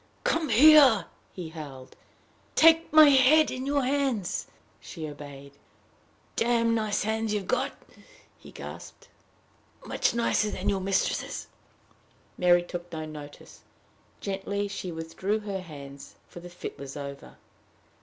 "Come here," he howled; "take my head in your hands." She obeyed. "Damned nice hands you've got!" he gasped; "much nicer than your mistress's." Mary took no notice. Gently she withdrew her hands, for the fit was over.